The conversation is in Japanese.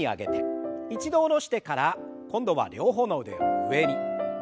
一度下ろしてから今度は両方の腕を上に。